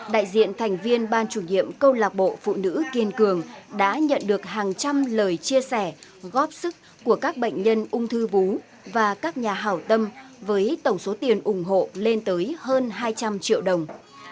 đại diện thành viên ban chủ nhiệm câu lạc bộ phụ nữ kiên cường đã nhận được hàng trăm lời chia sẻ góp sức của các bệnh nhân ung thư vú và các nhà hảo tâm với tổng số tiền ủng hộ lên tới hơn hai trăm linh triệu đồng